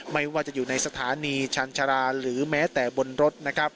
ไม่ว่าจะอยู่ในสถานีชันชาราหรือแม้แต่บนรถนะครับ